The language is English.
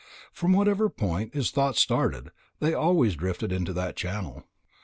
From whatever point his thoughts started, they always drifted into that channel.